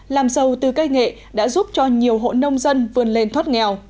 làm giàu từ cây nghệ đã giúp cho nhiều hộ nông dân vươn lên thoát nghèo